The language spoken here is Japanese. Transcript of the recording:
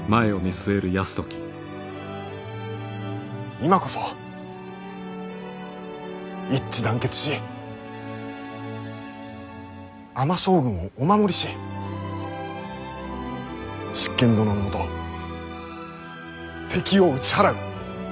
今こそ一致団結し尼将軍をお守りし執権殿のもと敵を打ち払う。